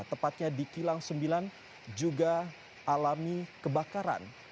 tepatnya di kilang sembilan juga alami kebakaran